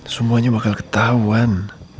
semuanya bakal ketahuan